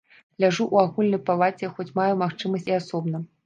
Ляжу ў агульнай палаце, хоць маю магчымасць і асобна.